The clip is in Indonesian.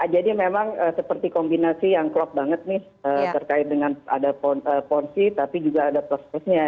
jadi memang seperti kombinasi yang klop banget nih terkait dengan ada ponzi tapi juga ada plus plusnya